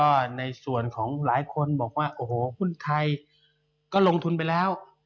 ก็ในส่วนของหลายคนบอกว่าโอ้โหหุ้นไทยก็ลงทุนไปแล้ว